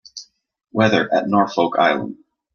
Weather at Norfolk Island